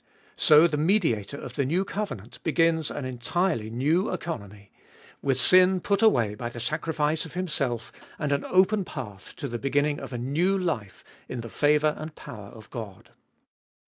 So the Mediator of the new covenant begins an entirely new economy, IboUest or ail 313 with sin put away by the sacrifice of Himself, and an open path to the beginning of a new life in the favour and power of God.